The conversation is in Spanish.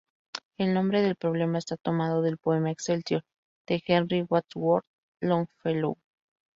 El nombre del problema está tomado del poema "Excelsior" de Henry Wadsworth Longfellow.